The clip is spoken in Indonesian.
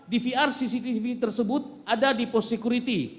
dvr cctv tersebut ada di post security